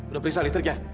udah periksa listriknya